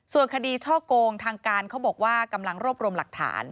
ส่วนคดีช่อกงทางการเขาบอกว่ากำลังรวบรวมหลักฐาน